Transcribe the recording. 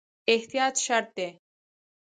احتیاط شرط دی